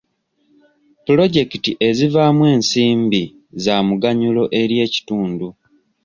Pulojekiti ezivaamu ensimbi za muganyulo eri ekitundu.